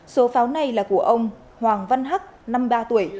số pháo này là của ông hoàng văn hắc năm mươi ba tuổi